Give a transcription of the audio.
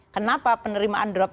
kenapa penerimaan drop